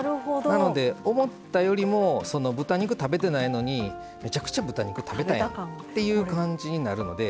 なので思ったよりも豚肉食べてないのにめちゃくちゃ豚肉食べたやんっていう感じになるので。